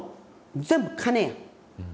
全部金や。